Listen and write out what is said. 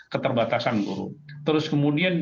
keterbatasan burung terus kemudian